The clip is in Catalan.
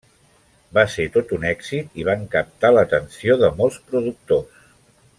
Va ser tot un èxit i van captar l'atenció de molts productors.